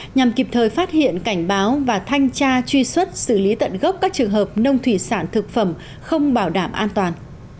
nhằm kịp thời phát hiện cảnh báo và thanh tra truy xuất xử lý tận gốc các trường hợp nông thủy sản thực phẩm không bảo đảm an toàn